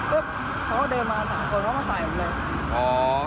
เพื่อเขาก็เดินมาสั่งมันเขามาส่ายมันเลย